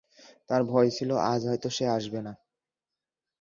তার ভয় ছিল আজ হয়তো সে আসবে না।